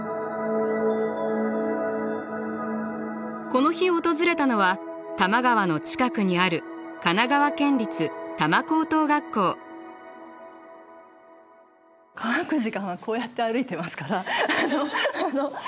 この日訪れたのは多摩川の近くにある乾く時間はこうやって歩いてますからあの。